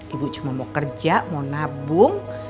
ibu cuma mau kerja mau nabung